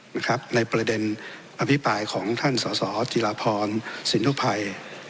นะครับในประเด็นอภิปัยของท่านสาวจิลาพรสินทุพัย